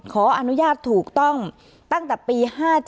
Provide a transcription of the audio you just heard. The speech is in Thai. ขออนุญาตถูกต้องตั้งแต่ปี๕๗